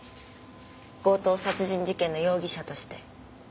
強盗殺人事件の容疑者として。